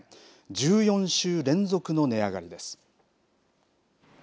１４週連続の値上がりです。